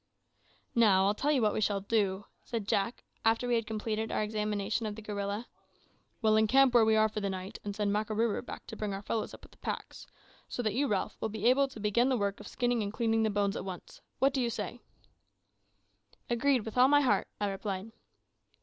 "Now, I'll tell you what we shall do," said Jack, after we had completed our examination of the gorilla. "We will encamp where we are for the night, and send Makarooroo back to bring our fellows up with the packs, so that you, Ralph, will be able to begin the work of skinning and cleaning the bones at once. What say you?" "Agreed, with all my heart," I replied.